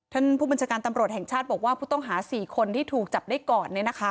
ท่านผู้บัญชาการตำรวจแห่งชาติบอกว่าผู้ต้องหา๔คนที่ถูกจับได้ก่อน